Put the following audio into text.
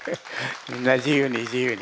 みんな自由に自由に。